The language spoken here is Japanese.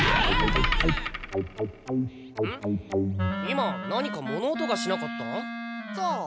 今何か物音がしなかった？さあ？